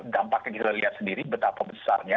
dampaknya kita lihat sendiri betapa besarnya